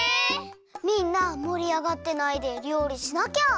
みんなもりあがってないでりょうりしなきゃ。